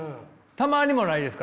たまにもないですか？